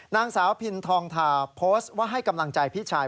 นางสาวพินทองทาโพสต์ว่าให้กำลังใจพี่ชาย